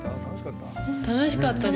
楽しかったです。